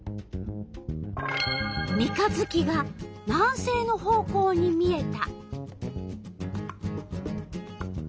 三日月が南西の方向に見えた。